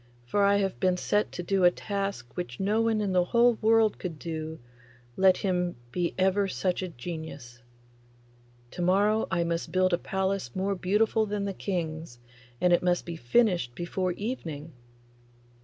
for I have been set to do a task which no one in the whole world could do, let him be ever such a genius! To morrow I must build a palace more beautiful than the King's, and it must be finished before evening.